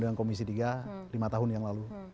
dengan komisi tiga lima tahun yang lalu